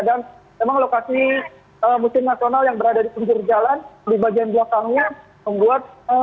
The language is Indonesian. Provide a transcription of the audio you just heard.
dan memang lokasi musim nasional yang berada di penjuru jalan di bagian belakangnya membuat